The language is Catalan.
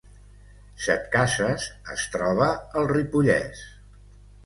Setcases es troba al Ripollès